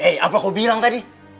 hei hei apa kau bilang tadi